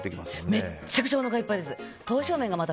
めちゃくちゃおなかいっぱいでした。